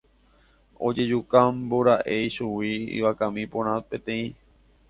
Ojejukámbora'e ichugui ivakami porã peteĩ.